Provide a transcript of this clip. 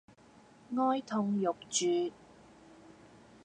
哀痛欲絕